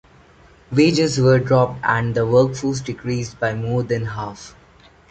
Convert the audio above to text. Wages were dropped and the workforce decreased by more than half.